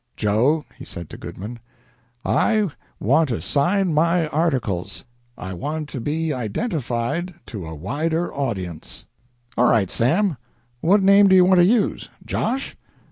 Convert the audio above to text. "Joe," he said to Goodman, "I want to sign my articles. I want to be identified to a wider audience." "All right, Sam. What name do you want to use Josh?"